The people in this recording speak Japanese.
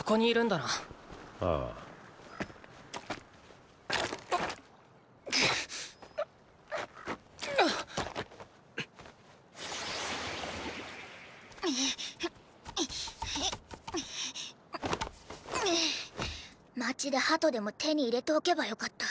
街でハトでも手に入れておけばよかった。